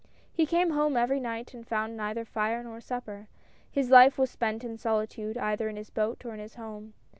He came home every night and found neither fire nor supper ; his life was spent in solitude, either in his boat, or in his home.